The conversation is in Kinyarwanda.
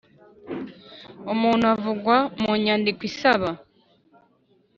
umuntu uvugwa mu nyandiko isaba